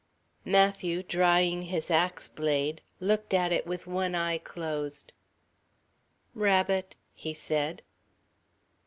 Matthew, drying his ax blade, looked at it with one eye closed. "Rabbit," he said.